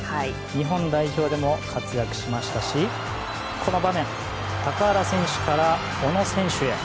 日本代表でも活躍しましたしこの場面高原選手から小野選手へ。